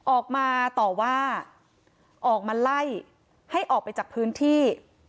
ออกมาต่อว่าออกมาไล่ให้ออกไปจากพื้นที่